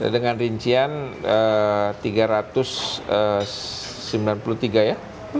dengan rincian tiga ratus sembilan puluh tiga ya